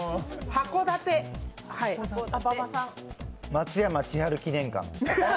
松山千春記念館。